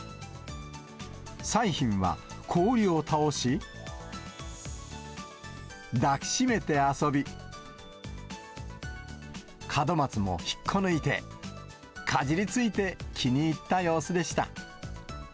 彩浜は氷を倒し、抱きしめて遊び、門松も引っこ抜いて、かじりついて気に入った様子でした。